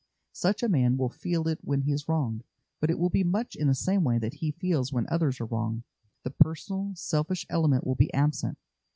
Such a man will feel it when he is wronged, but it will be much in the same way that he feels when others are wronged. The personal, selfish element will be absent.